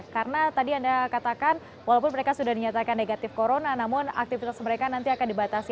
karena tadi anda katakan walaupun mereka sudah dinyatakan negatif corona namun aktivitas mereka nanti akan dibatasi